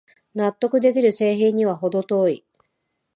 納得できる製品にはほど遠い